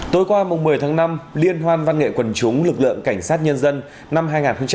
tối qua một mươi tháng năm liên hoan văn nghệ quần chúng lực lượng cảnh sát nhân dân năm hai nghìn hai mươi ba